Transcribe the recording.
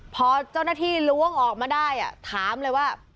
พอเจ้าหน้าที่ล้วงออกมาได้ถามเลยว่า